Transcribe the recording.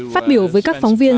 phát biểu với các phóng viên